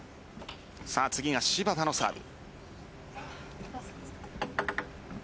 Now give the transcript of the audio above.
次が芝田のサーブ。